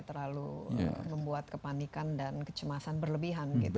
terlalu membuat kepanikan dan kecemasan berlebihan gitu